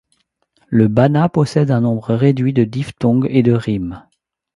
Le bana possède un nombre réduit de diphtongues et de rimes.